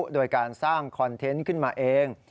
โดยการสร้างคอนเทนต์ขึ้นมาเอง